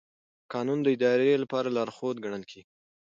قانون د ادارې لپاره لارښود ګڼل کېږي.